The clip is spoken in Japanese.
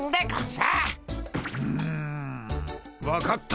うぬ分かった。